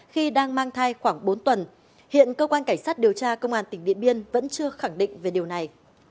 khi đang mang thai khoảng bốn tuần hiện cơ quan cảnh sát điều tra công an tỉnh điện biên vẫn chưa khẳng định về điều này